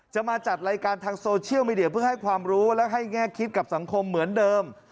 มาจัดรายการทางโซเชียลมีเดียเพื่อให้ความรู้และให้แง่คิดกับสังคมเหมือนเดิม